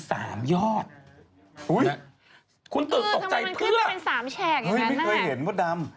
อุ๊ยทำไมมันขึ้นเป็น๓แชกอย่างนั้นฮะคุณตื่นตกใจเพื่อไม่เคยเห็นว่าดำ